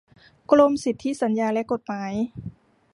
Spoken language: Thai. กรมสนธิสัญญาและกฎหมาย